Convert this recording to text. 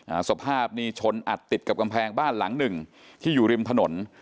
อ่าสภาพนี่ชนอัดติดกับกำแพงบ้านหลังหนึ่งที่อยู่ริมถนน